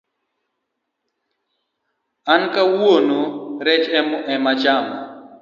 An kawuono rech emechamo